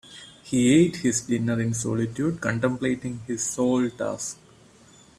He ate his dinner in solitude, contemplating his solemn task.